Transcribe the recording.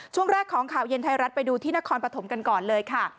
ช่วงแรกของข่าวเย็นไทยรัฐไปดูที่นครปฐมกันก่อนเลยค่ะ